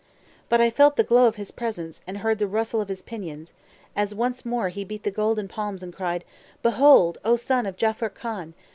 But I felt the glow of his presence and heard the rustle of his pinions, as once more he beat the golden palms and cried, 'Behold, O son of Jaffur Khan!